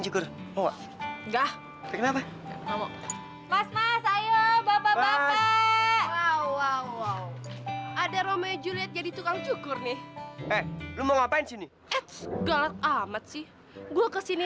kenapa dari sudah kayak gini